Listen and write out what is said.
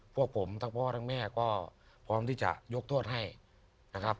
พวกผมทั้งพ่อทั้งแม่ก็พร้อมที่จะยกโทษให้นะครับ